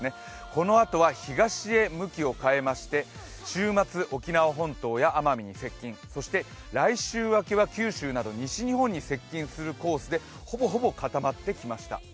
このあとは東へ向きを変えまして週末、沖縄本島や奄美に接近、そして来週明けは九州など西日本に接近するコースでほぼほぼ固まってきました。